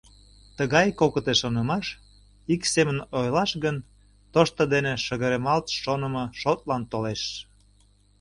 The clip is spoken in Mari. Тыгай кокыте шонымаш, ик семын ойлаш гын, тошто дене шыгыремалт шонымо шотлан толеш.